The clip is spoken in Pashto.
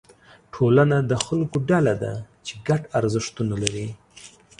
ټولنه د خلکو ډله ده چې ګډ ارزښتونه لري.